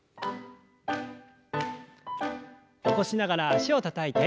起こしながら脚をたたいて。